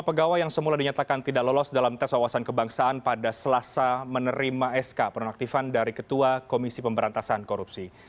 lima pegawai yang semula dinyatakan tidak lolos dalam tes wawasan kebangsaan pada selasa menerima sk penonaktifan dari ketua komisi pemberantasan korupsi